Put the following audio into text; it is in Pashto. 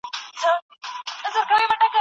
زما اشنا د ماشومانو خوی کوینه